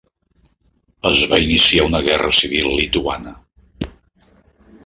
Es va iniciar una guerra civil lituana.